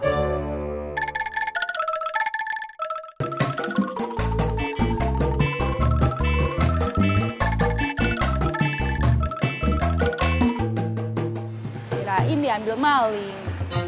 kirain diambil maling